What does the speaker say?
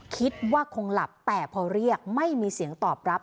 คิดว่าคงหลับแต่พอเรียกไม่มีเสียงตอบรับ